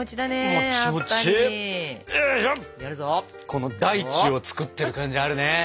この大地を作ってる感じあるね！